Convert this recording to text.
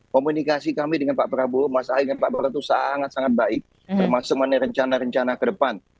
komunikasi kami dengan pak prabowo mas ahy dan pak prabowo itu sangat sangat baik termasuk mengenai rencana rencana ke depan